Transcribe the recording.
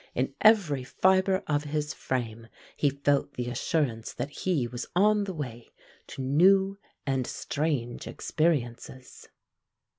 In every fiber of his frame he felt the assurance that he was on the way to new and strange experiences.